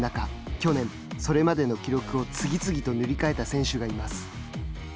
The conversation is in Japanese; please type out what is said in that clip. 去年、それまでの記録を次々と塗り替えた選手がいます。